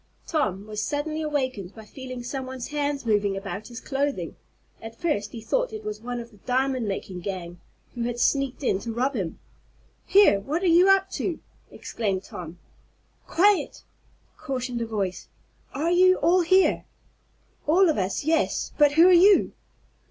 Tom was suddenly awakened by feeling some one's hands moving about his clothing. At first he thought it was one of the diamond making gang, who had sneaked in to rob him. "Here! What are you up to?" exclaimed Tom. "Quiet!" cautioned a voice. "Are you all here?" "All of us yes. But who are you?"